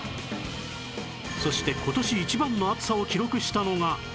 そして今年一番の暑さを記録したのが